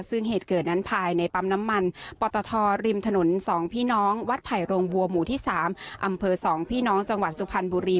ซึ่งเหตุเกิดนั้นภายในปั๊มน้ำมันปตทริมถนน๒พี่น้องวัดไผ่โรงบัวหมู่ที่๓อำเภอ๒พี่น้องจังหวัดสุพรรณบุรี